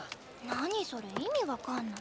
何それ意味分かんない。